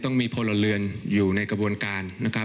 ต้องมีพลเรือนอยู่ในกระบวนการนะครับ